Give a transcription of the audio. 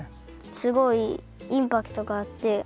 すごいインパクトがあってあまい。